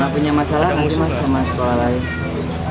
nggak punya masalah lagi sama sekolah lain